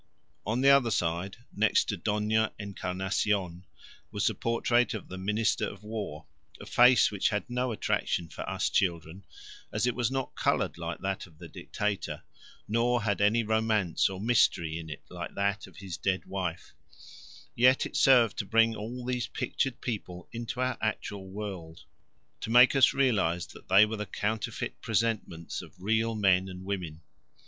On the other side, next to Dona Encarnacion, was the portrait of the Minister of War, a face which had no attraction for us children, as it was not coloured like that of the Dictator, nor had any romance or mystery in it like that of his dead wife; yet it served to bring all these pictured people into our actual world to make us realize that they were the counterfeit presentments of real men and women.